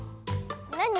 なに？